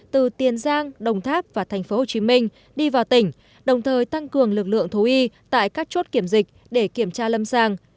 từ tiền giang đồng tháp và tp hcm đi vào tỉnh đồng thời tăng cường lực lượng thú y tại các chốt kiểm dịch để kiểm tra lâm sàng